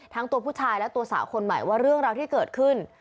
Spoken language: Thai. ทั้งตัวผู้ชายและตัวสาวคนใหม่ว่าเรื่องราวที่เกิดขึ้น